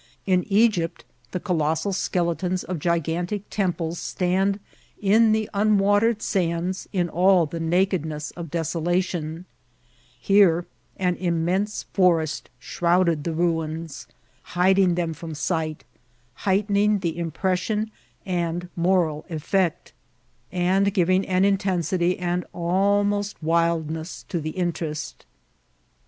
In Egypt the colossal skeletons of gigantic temples stand in the unwatered sands in all the nakedness of desolation ; here an immense forest shrouded the ruins, hiding them from sight, heightening the impression and moral eflfeet, and giving an intensity and almost wildness to the interest.